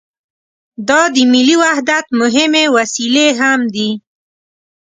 دا د ملي وحدت مهمې وسیلې هم دي.